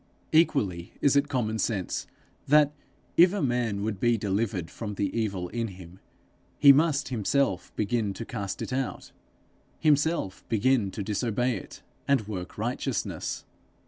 Equally is it common sense that, if a man would be delivered from the evil in him, he must himself begin to cast it out, himself begin to disobey it, and work righteousness.